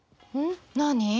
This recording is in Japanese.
何？